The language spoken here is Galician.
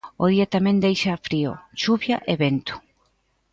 O día tamén deixa frío, chuvia e vento.